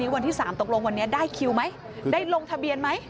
วันที่๓ตกลงวันนี้ได้คิวไหมได้ลงทะเบียนไหม